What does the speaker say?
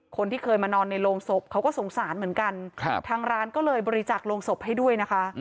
คนที่เคยมานอนในโรงศพเขาก็สงสารเหมือนกันทางร้านก็เลยบริจักษ์โรงศพให้ด้วยนะคะ